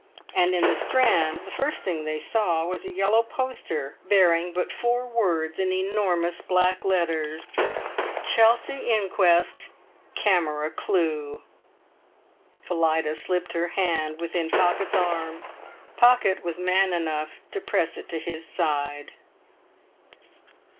And in the Strand the first thing they saw was a yellow poster bearing but four words in enormous black letters:— CHELSEA INQUEST CAMERA CLUE! Phillida slipped her hand within Pocket's arm. Pocket was man enough to press it to his side.